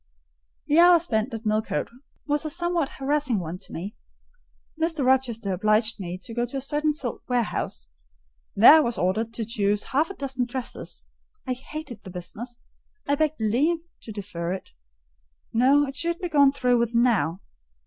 The hour spent at Millcote was a somewhat harassing one to me. Mr. Rochester obliged me to go to a certain silk warehouse: there I was ordered to choose half a dozen dresses. I hated the business, I begged leave to defer it: no—it should be gone through with now.